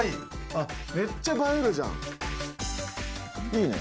めっちゃ映えるじゃん。いいね。